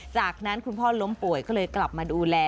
จากนั้นคุณพ่อล้มป่วยก็เลยกลับมาดูแล